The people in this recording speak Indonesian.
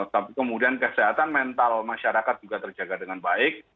tapi kemudian kesehatan mental masyarakat juga terjaga dengan baik